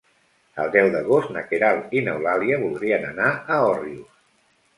El deu d'agost na Queralt i n'Eulàlia voldrien anar a Òrrius.